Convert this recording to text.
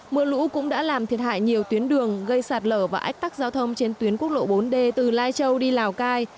mưa lũ cũng đã làm thiệt hại nhiều tuyến đường gây sạt lở và ách tắc giao thông trên tuyến quốc lộ bốn d từ lai châu đi lào cai